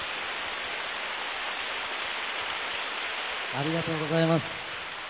ありがとうございます。